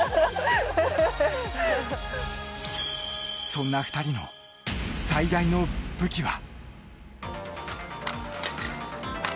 そんな２人の最大の武器は。